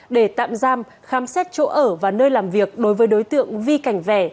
để tạm giam khám xét chỗ ở và nơi làm việc đối với đối tượng vi cảnh vẻ